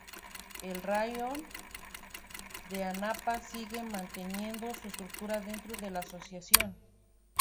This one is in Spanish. El raión de Anapa sigue manteniendo su estructura dentro de la asociación.